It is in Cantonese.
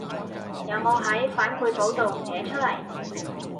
有冇喺反饋簿度寫出來